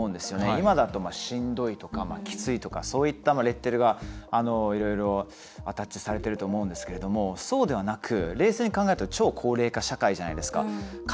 今だと、しんどいとかきついとかそういったレッテルがいろいろアタッチされてると思うんですけどそうではなく冷静に考えると超高齢化社会じゃないですか。